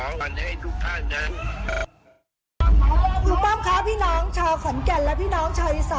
คุณป้อมคะพี่น้องชาวขอนแก่นและพี่น้องชาวอีสาน